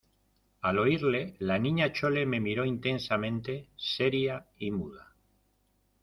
al oírle, la Niña Chole me miró intensamente , seria y muda.